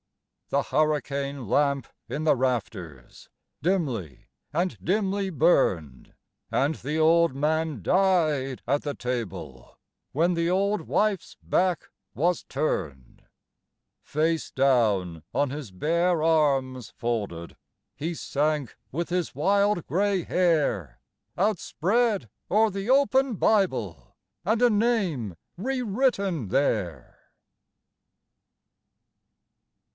The hurricane lamp in the rafters dimly and dimly burned; And the old man died at the table when the old wife's back was turned. Face down on his bare arms folded he sank with his wild grey hair Outspread o'er the open Bible and a name re written there.